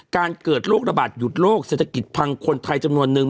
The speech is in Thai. เกิดโรคระบาดหยุดโลกเศรษฐกิจพังคนไทยจำนวนนึง